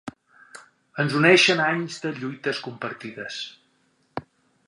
Ens uneixen anys de lluites compartides.